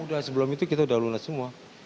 udah sebelum itu kita udah lunas semua